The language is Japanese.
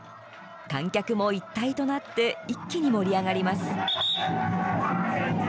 観客も一体となって一気に盛り上がります。